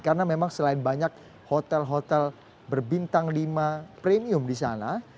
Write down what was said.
karena memang selain banyak hotel hotel berbintang lima premium di sana